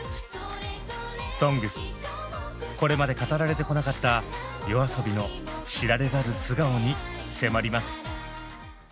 これまで語られてこなかったＹＯＡＳＯＢＩの知られざる素顔に迫ります。